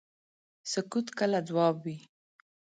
سکوت کله ځواب وي.